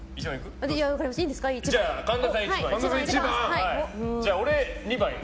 神田さん、１番で。